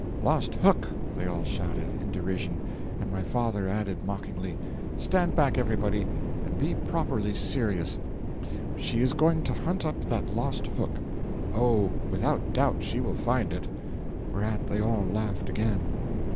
'"Lost hook!" they all shouted, in derision; and my father added, mockingly, "Stand back, everybody, and be properly serious she is going to hunt up that lost hook: oh, without doubt she will find it!" whereat they all laughed again.